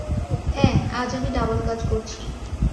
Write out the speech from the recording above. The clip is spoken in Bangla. হ্যাঁ, আজ আমি ডাবল কাজ করছি।